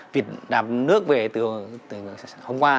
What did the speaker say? việc đạp nước về từ hôm qua